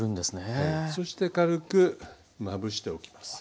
はいそして軽くまぶしておきます。